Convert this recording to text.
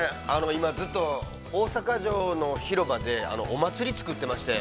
今ずっと大阪城の広場でお祭りを作っていまして。